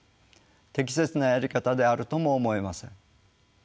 適切なやり方であるとも思えません。